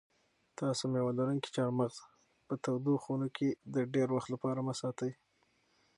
تاسو مېوه لرونکي چهارمغز په تودو خونو کې د ډېر وخت لپاره مه ساتئ.